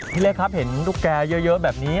เล็กครับเห็นตุ๊กแกเยอะแบบนี้